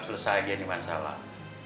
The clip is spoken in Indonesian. selesai aja ini masalah